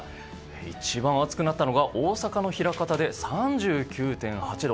一番暑くなったのが大阪の枚方で３９．８度。